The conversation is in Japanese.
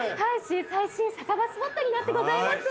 最新酒場スポットになってございます。